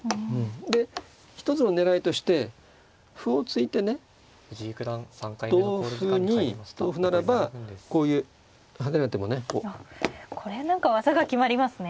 で一つの狙いとして歩を突いてね同歩ならばこういう跳ねる手もね。これ何か技が決まりますね。